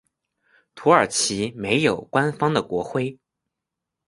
土耳其没有官方的国徽。